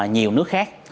nhiều nước khác